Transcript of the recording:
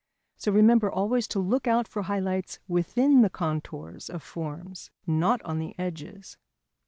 So remember always to look out for high lights within the contours of forms, not on the edges.